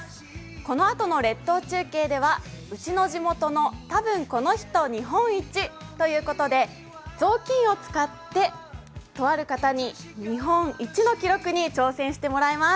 このあとの列島中継では「ウチの地元のたぶんこの人日本一」で雑巾を使って、とある方に日本一の記録に挑戦してもらいます。